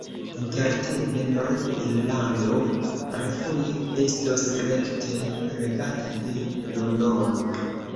Intertempe Nord-Irlando refoje estos rekte regata de Londono.